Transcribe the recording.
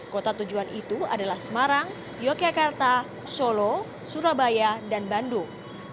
kota tujuan itu adalah semarang yogyakarta solo surabaya dan bandung